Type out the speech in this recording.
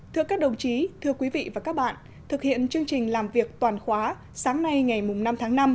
thưa các đồng chí thưa quý vị và các bạn thực hiện chương trình làm việc toàn khóa sáng nay ngày năm tháng năm